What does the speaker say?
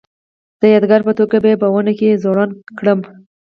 د یادګار په توګه به یې په ونه کې ځوړنده کړم.